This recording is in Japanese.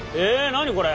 何これ？